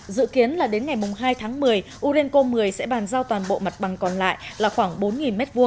dự kiến là đến ngày hai tháng một mươi urenco một mươi sẽ bàn giao toàn bộ mặt bằng còn lại là khoảng bốn m hai